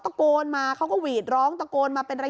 พอหลังจากเกิดเหตุแล้วเจ้าหน้าที่ต้องไปพยายามเกลี้ยกล่อม